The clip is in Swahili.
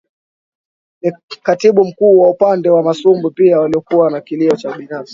ni Katibu Mkuu wa Upande wa masumbwi pia walikuwa na kilio chao Binafsi